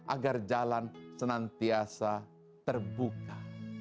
agar jalan senantiasa terbuka